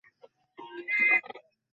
উকিলকে phone করতে বলবি।